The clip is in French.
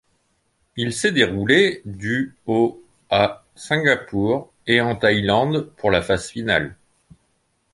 Il s'est déroulé du au à Singapour et en Thaïlande pour la phase finale.